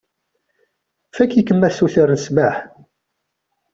Fakk-ikem asuter n ssmaḥ.